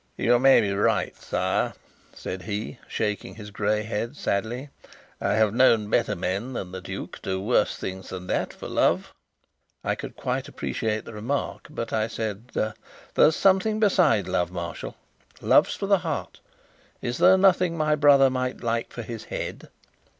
"You may be right, sire," said he, shaking his grey head sadly. "I have known better men than the duke do worse things than that for love." I could quite appreciate the remark, but I said: "There's something beside love, Marshal. Love's for the heart; is there nothing my brother might like for his head?"